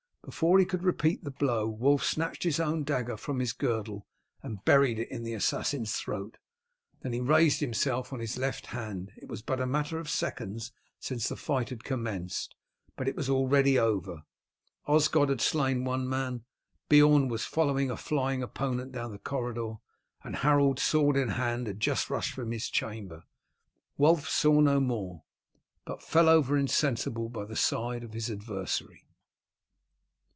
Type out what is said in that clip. Before he could repeat the blow Wulf snatched his own dagger from his girdle and buried it in the assassin's throat Then he raised himself on his left hand. It was but a matter of seconds since the fight had commenced, but it was already over. Osgod had slain one man, Beorn was following a flying opponent down the corridor, and Harold, sword in hand, had just rushed from his chamber. Wulf saw no more, but fell over insensible by the side of his adversary.